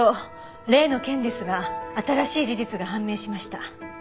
例の件ですが新しい事実が判明しました。